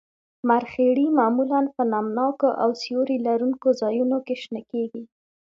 مرخیړي معمولاً په نم ناکو او سیوري لرونکو ځایونو کې شنه کیږي